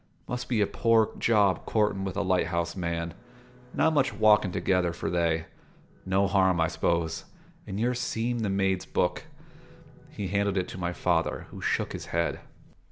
"Must be a poor job courtin' with a light house man: not much walkin' together for they. No harm, I s'pose, in your seem' the maid's book." He handed it to my father, who shook his head.